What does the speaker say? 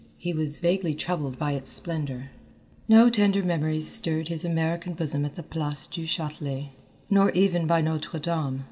He was vaguely troubled by its splendour. No tender memories stirred his American bosom at the Place du Châtelet, nor even by Notre Dame.